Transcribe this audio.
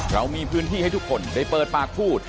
เรามีพื้นที่ให้ทุกคนได้เปิดปากพูด